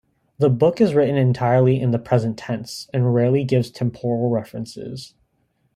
The book is written entirely in the present tense, and rarely gives temporal references.